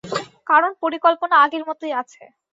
কারন পরিকল্পনা আগের মতই আছে।